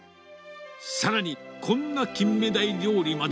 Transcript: さらにこんなキンメダイ料理まで。